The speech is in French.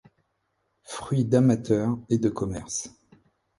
Fruit d'amateur et de commerce.